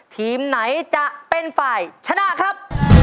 ทีมไหนจะเป็นฝ่ายชนะครับ